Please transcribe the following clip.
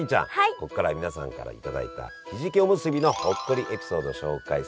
ここからは皆さんから頂いたひじきおむすびのほっこりエピソードを紹介するコーナーです！